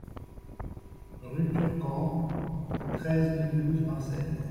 Rue Turcan, treize mille douze Marseille